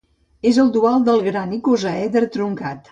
És el dual del gran icosàedre truncat.